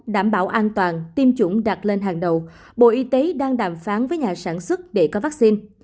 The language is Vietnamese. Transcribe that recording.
đảm bảo an toàn tiêm chủng đặt lên hàng đầu bộ y tế đang đàm phán với nhà sản xuất để có vaccine